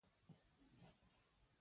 د تقوی زړورتیا د روح ځواک دی.